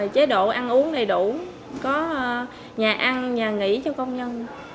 chế độ ăn uống đầy đủ có nhà ăn nhà nghỉ cho công nhân